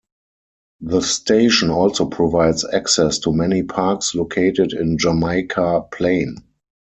The station also provides access to many parks located in Jamaica Plain.